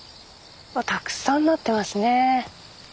たくさんなってますね。